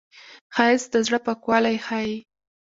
ښایست د زړه پاکوالی ښيي